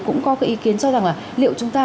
cũng có cái ý kiến cho rằng là liệu chúng ta